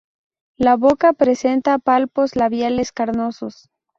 La boca presenta palpos labiales carnosos.